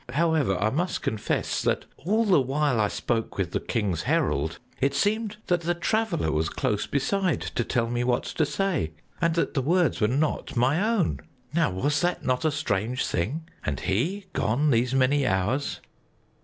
However, I must confess that all the while I spoke with the king's herald, it seemed that the Traveler was close beside to tell me what to say, and that the words were not my own. Now, was that not a strange thing and he gone these many hours?"